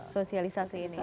sosialisasi ini ya